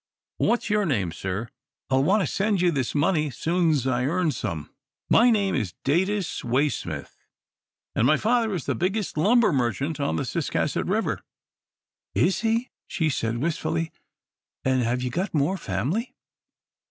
What's your name, sir? I'll want to send you this money soon's I earn some." "My name is Datus Waysmith, and my father is the biggest lumber merchant on the Ciscasset River." "Is he?" she said, wistfully, "an' have you got more family?"